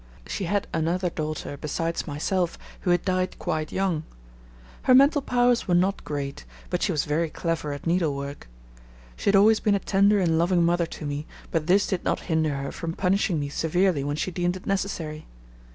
She had another daughter besides myself, who had died quite young. Her mental powers were not great, but she was very clever at needlework. She had always been a tender and loving mother to me, but this did not hinder her from punishing me severely when she deemed it necessary.